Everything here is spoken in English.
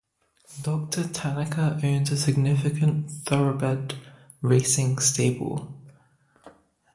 Doctor Tanaka owns a significant thoroughbred racing stable.